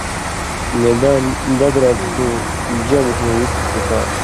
میدان بدراں تُھو جمع ہُو اِیتَھو کفار